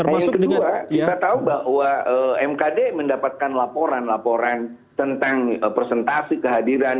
nah yang kedua kita tahu bahwa mkd mendapatkan laporan laporan tentang presentasi kehadiran